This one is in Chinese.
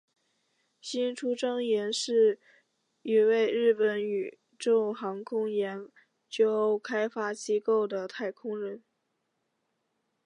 星出彰彦是一位日本宇宙航空研究开发机构的太空人。